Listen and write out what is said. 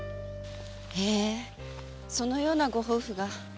へえそのようなご夫婦が。